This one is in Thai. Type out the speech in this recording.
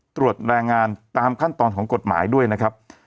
ตรวจแรงงานตามขั้นตอนของกฎหมายด้วยนะครับ